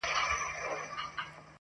د یوې ورځي دي زر ډالره کیږي؛